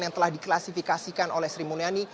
yang telah diklasifikasikan oleh sri mulyani